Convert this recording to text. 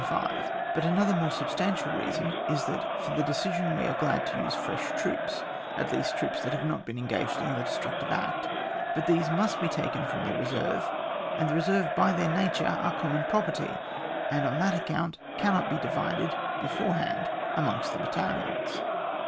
But another more substantial reason is, that for the decision we are glad to use fresh troops, at least troops Siat have not been engaged in the de structive act; but these must be taken from the reserve, and the reserves by their nature, are common property, and on that accoimt cannot be divided be forehand amongst the battalions.